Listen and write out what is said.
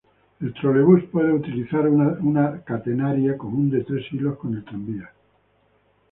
El trolebús puede utilizar una catenaria común de tres hilos con el tranvía.